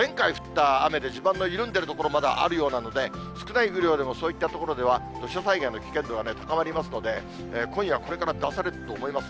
前回降った雨で地盤の緩んでいる所、まだあるようなので、少ない雨量でも、そういった所では土砂災害の危険度が高まりますので、今夜これから出されると思います